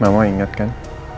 mama inget kan